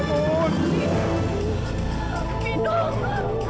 ibu ibu bangun